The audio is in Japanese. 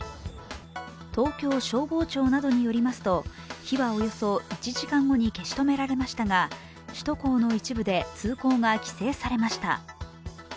東京消防庁などによりますと火はおよそ１時間後に消し止められましたが首都高の一部で通行が規制されました。